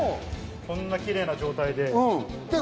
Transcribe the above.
こんなキレイな状態で。